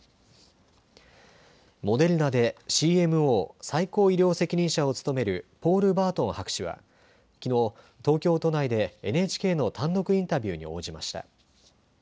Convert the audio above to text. モデルナでＣＭＯ・最高医療責任者を務めるポール・バートン博士はきのう東京都内でＮＨＫの単独インタビューに応じました。